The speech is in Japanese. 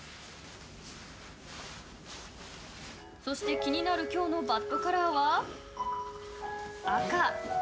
そして気になる今日のバッドカラーは赤。